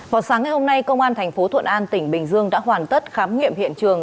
vào sáng ngày hôm nay công an thành phố thuận an tỉnh bình dương đã hoàn tất khám nghiệm hiện trường